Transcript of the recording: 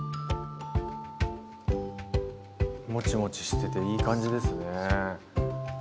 もちもちしてていい感じですね。